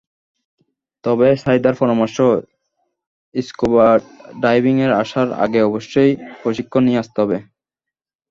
তবে সাঈদার পরামর্শ, স্কুবা ডাইভিংয়ে আসার আগে অবশ্যই প্রশিক্ষণ নিয়ে আসতে হবে।